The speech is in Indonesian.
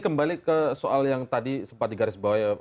kembali ke soal yang tadi sempat digarisbawahi